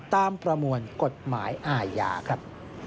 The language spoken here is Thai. ประมวลกฎหมายอาญาครับ